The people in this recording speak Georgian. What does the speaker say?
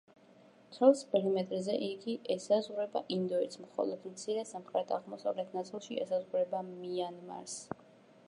მთელ პერიმეტრზე იგი ესაზღვრება ინდოეთს, მხოლოდ მცირე, სამხრეთ-აღმოსავლეთ ნაწილში ესაზღვრება მიანმარს.